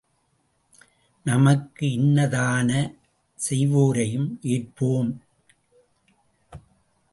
நமக்கு இன்னாதன செய்வோரையும் ஏற்போம்!